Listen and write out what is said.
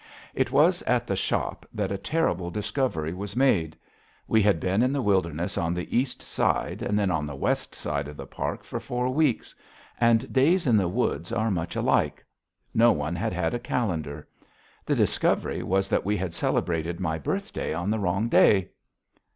It was at the shop that a terrible discovery was made. We had been in the wilderness on the east side and then on the west side of the park for four weeks. And days in the woods are much alike. No one had had a calendar. The discovery was that we had celebrated my birthday on the wrong day!